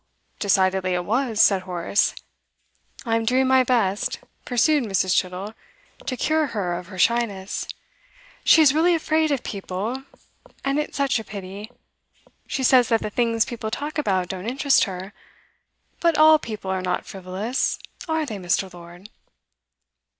Decidedly it was, said Horace. 'I'm doing my best,' pursued Mrs. Chittle, 'to cure her of her shyness. She is really afraid of people and it's such a pity. She says that the things people talk about don't interest her; but all people are not frivolous are they, Mr. Lord?